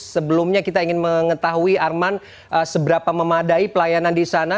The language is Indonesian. sebelumnya kita ingin mengetahui arman seberapa memadai pelayanan di sana